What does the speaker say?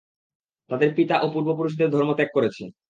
তারা তাদের পিতা ও পূর্বপুরুষদের ধর্ম ত্যাগ করেছে।